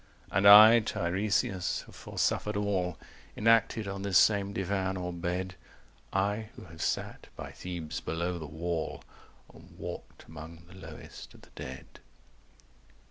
(And I Tiresias have foresuffered all Enacted on this same divan or bed; I who have sat by Thebes below the wall 245 And walked among the lowest of the dead.)